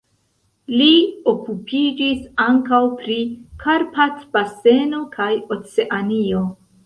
Li okupiĝis ankaŭ pri Karpat-baseno kaj Oceanio.